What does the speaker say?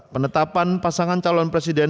penetapan pasangan calon presiden